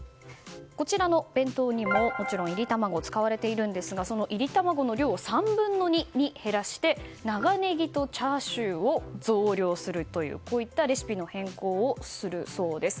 こちらの弁当にも、もちろん炒りたまごが使われているんですがその炒りたまごの量を３分の２に減らして長ネギとチャーシューを増量するというレシピの変更をするそうです。